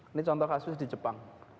ini contoh kasus di jepang